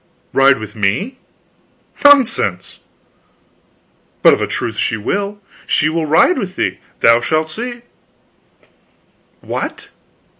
"Ride with me? Nonsense!" "But of a truth she will. She will ride with thee. Thou shalt see." "What?